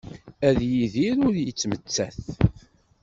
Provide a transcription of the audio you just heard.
Ad yidir ur yettmettat.